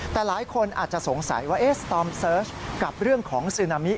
แต่หลายคนอาจจะสงสัยว่าสตอมเสิร์ชกับเรื่องของซึนามิ